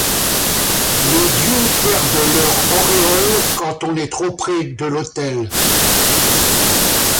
Les dieux perdent leur auréole quand on est trop près de l’autel.